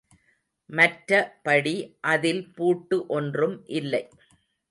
மற்றபடி அதில் பூட்டு ஒன்றும் இல்லை.